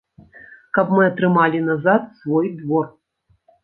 Каб мы атрымалі назад свой двор.